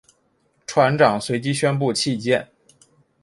船长随即宣布弃舰。